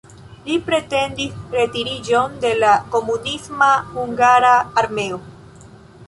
Li pretendis retiriĝon de la komunisma hungara armeo.